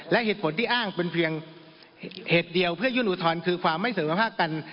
และเหตุผลที่อ้างเป็นเพียงเหตุเดียวเพื่อยื่นอุทธรณ์คือความไม่เสมอภาคกัน